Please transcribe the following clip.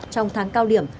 trong tháng cao điểm